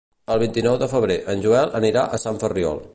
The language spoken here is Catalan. El vint-i-nou de febrer en Joel anirà a Sant Ferriol.